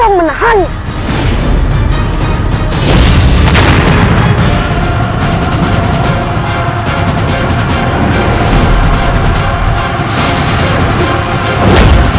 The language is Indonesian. aku tidak bisa menahanmu